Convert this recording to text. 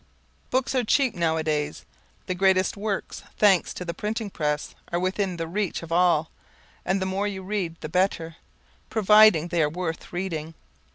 Books are cheap now a days, the greatest works, thanks to the printing press, are within the reach of all, and the more you read, the better, provided they are worth reading.